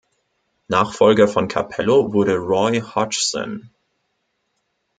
Nachfolger von Capello wurde Roy Hodgson.